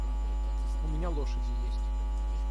У меня лошади есть.